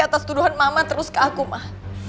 atas tuduhan mama terus ke aku mah